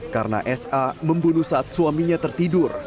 karena sa membunuh saat suaminya tertidur